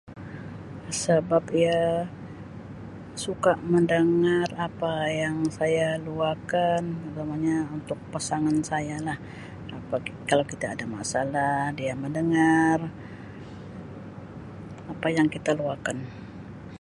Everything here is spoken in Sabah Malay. Sabab ia suka mendangar apa yang saya luah kan umpamanya untuk pasangan saya lah apa kalau kita ada masalah dia mendengar apa yang kita luah kan.